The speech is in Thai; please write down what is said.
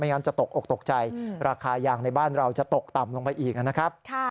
งั้นจะตกอกตกใจราคายางในบ้านเราจะตกต่ำลงไปอีกนะครับ